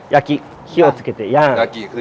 ยากิคือย่าง